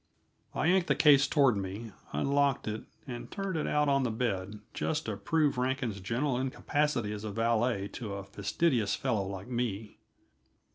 I yanked the case toward me, unlocked it, and turned it out on the bed, just to prove Rankin's general incapacity as valet to a fastidious fellow like me.